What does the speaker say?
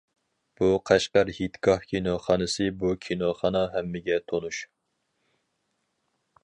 بۇ قەشقەر ھېيتگاھ كىنوخانىسى بۇ كىنوخانا ھەممىگە تونۇش.